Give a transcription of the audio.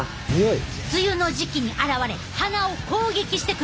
梅雨の時期に現れ鼻を攻撃してくる強敵や！